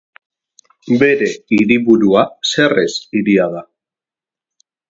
Bere hiriburua Serres hiria da.